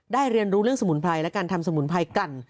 เรียนรู้เรื่องสมุนไพรและการทำสมุนไพรกัน